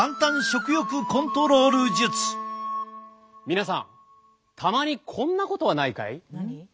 皆さんたまにこんなことはないかい？